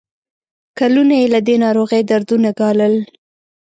کلونه یې له دې ناروغۍ دردونه ګالل.